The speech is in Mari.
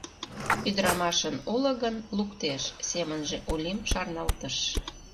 «Ӱдырамашын уло гын, луктеш», — семынже Улим шарналтыш.